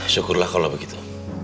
syukurlah kalau begitu